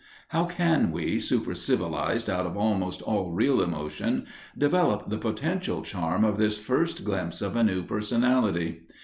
How can we, supercivilized out of almost all real emotion, develop the potential charm of this first glimpse of a new personality?